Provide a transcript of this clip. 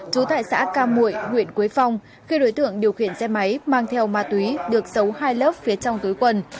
trú tại xã ca mùi huyện quế phong khi đối tượng điều khiển xe máy mang theo ma túy được sấu hai lớp phía trong túi quần